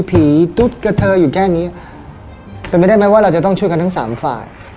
ตุ๊ดกระเทยอยู่แค่นี้เป็นไปได้ไหมว่าเราจะต้องช่วยกันทั้งสามฝ่าย